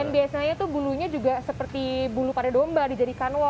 dan biasanya tuh bulunya juga seperti bulu pada domba dijadikan